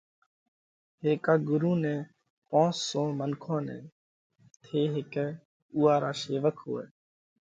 ھيڪا ڳرُو نئہ پونس سو منکون نئہ (ٿي ھيڪئھ اُوئا را شيوڪ ھوئہ)